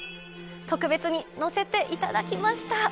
特別に乗せていただきました。